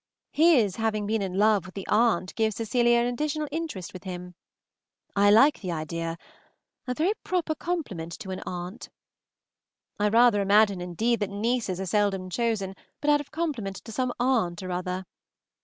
His having been in love with the aunt gives Cecilia an additional interest with him. I like the idea, a very proper compliment to an aunt! I rather imagine indeed that nieces are seldom chosen but out of compliment to some aunt or another.